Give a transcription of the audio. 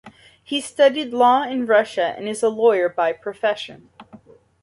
He studied law in Russia and is a lawyer by profession.